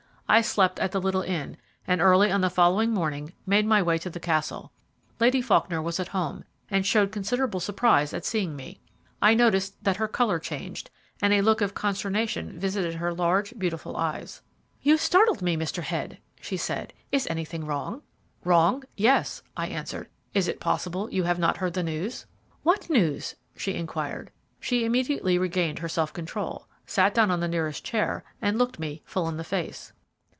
I slept at the little inn, and early on the following morning made my way to the castle. Lady Faulkner was at home, and showed considerable surprise at seeing me. I noticed that her colour changed, and a look of consternation visited her large, beautiful eyes. "You startled me, Mr. Head," she said; "is anything wrong?" "Wrong? Yes," I answered. "Is it possible you have not heard the news?" "What news?" she inquired. She immediately regained her self control, sat down on the nearest chair, and looked me full in the face.